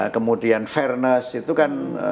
kemudian fairness itu kan